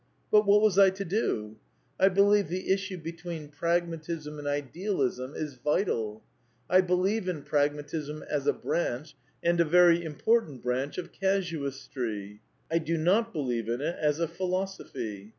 But what was I to do ? I believe the issue between Pragmatism and Idealism is vital. I believe in Prag matism as a branch, and a very important branch of casu * istry. I do not believe in it as a philosophy.